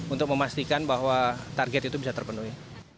untuk memastikan bahwa target itu bisa terpenuhi